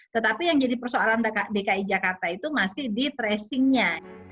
tetapi yang jadi persoalan dki jakarta itu masih di tracingnya